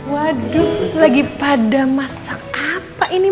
waduh lagi pada masak apa ini